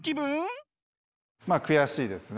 まあ悔しいですね。